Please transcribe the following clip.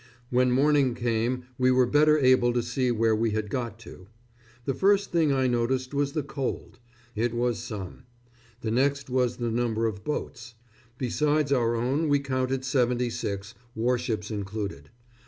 When morning came we were better able to see where we had got to. The first thing I noticed was the cold. It was "some." The next was the number of boats. Besides our own we counted seventy six, warships included.